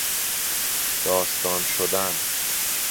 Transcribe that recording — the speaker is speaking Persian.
داستان شدن